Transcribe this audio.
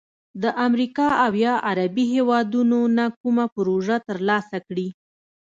د امریکا او یا عربي هیوادونو نه کومه پروژه تر لاسه کړي،